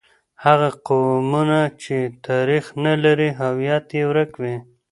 هغه قومونه چې تاریخ نه لري، هویت یې ورک وي.